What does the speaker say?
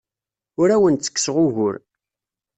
Ur awen-ttekkseɣ ugur.